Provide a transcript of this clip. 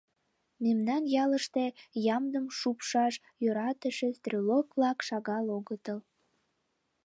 Мемнан ялыште ямдым шупшаш йӧратыше «стрелок-влак» шагал огытыл.